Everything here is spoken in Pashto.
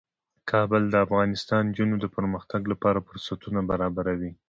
کابل د افغان نجونو د پرمختګ لپاره فرصتونه برابروي.